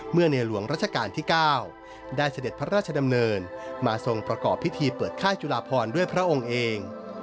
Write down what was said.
ในหลวงรัชกาลที่๙ได้เสด็จพระราชดำเนินมาทรงประกอบพิธีเปิดค่ายจุลาพรด้วยพระองค์เอง